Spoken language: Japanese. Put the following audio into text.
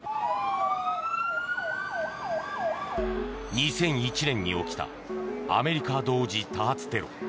２００１年に起きたアメリカ同時多発テロ。